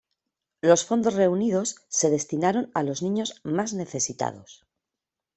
Los fondos reunidos se destinaron a los niños más necesitados.